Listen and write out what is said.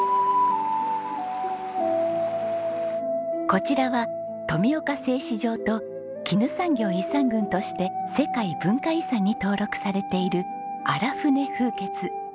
こちらは「富岡製糸場と絹産業遺産群」として世界文化遺産に登録されている荒船風穴。